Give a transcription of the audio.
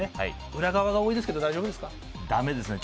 裏側が多いですけどだめですね。